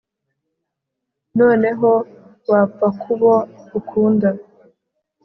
noneho wapfa kubo ukunda